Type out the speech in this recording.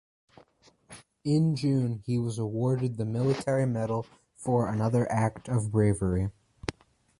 In June he was awarded the Military Medal for another act of bravery.